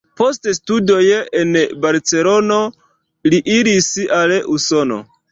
Post studoj en Barcelono li iris al Usono.